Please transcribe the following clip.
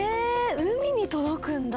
海に届くんだ！